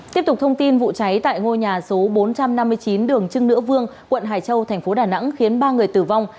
tiếp tục thông tin vụ cháy tại ngôi nhà số bốn trăm năm mươi chín đường trưng nữ vương quận hải châu thành phố đà nẵng khiến ba người tử vong